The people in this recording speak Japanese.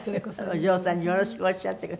お嬢さんによろしくおっしゃってください。